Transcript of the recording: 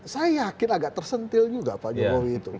saya yakin agak tersentil juga pak jokowi itu